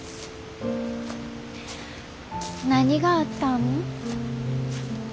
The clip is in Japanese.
何があったん？